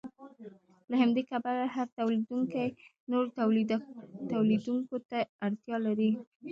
له همدې کبله هر تولیدونکی نورو تولیدونکو ته اړتیا لري